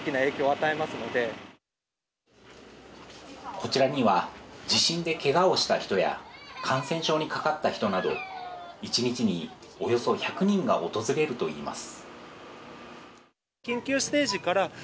こちらには地震でけがをした人や、感染症にかかった人など、一日におよそ１００人が訪れるといいます。